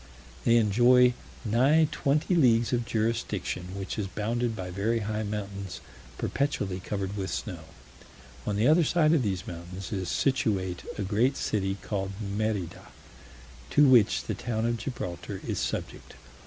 They enjoy nigh twenty leagues of jurisdiction, which is bounded by very high mountains perpetually covered with snow. On the other side of these mountains is situate a great city called Merida, to which the town of Gibraltar is subject.